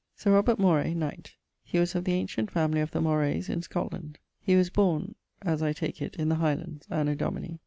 Sir Robert Moray, knight: he was of the ancient family of the Morays in Scotland. He was borne ... (as I take it, in the Highlands), anno domini....